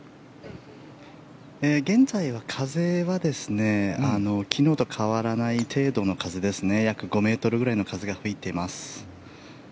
現在は風は昨日と変わらない程度の風ですね約５ｍぐらいの風が吹いています。